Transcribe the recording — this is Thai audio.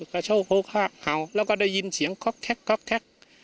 กระโชว์โพกห้ากเห่าแล้วก็ได้ยินเสียงค็อกแท็กค็อกแท็ก